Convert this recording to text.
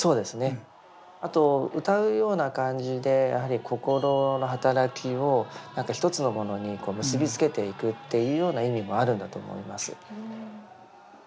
あと歌うような感じで心の働きを一つのものに結び付けていくっていうような意味もあるんだと思います。